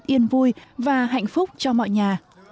yên vui và hạnh phúc cho mọi nhà